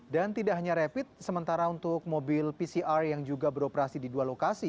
dan tidak hanya rapid sementara untuk mobil pcr yang juga beroperasi di dua lokasi